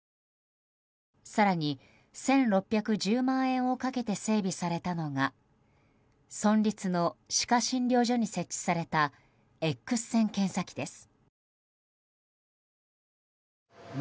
更に、１６１０万円をかけて整備されたのが村立の歯科診療所に設置されたＸ線検査機です。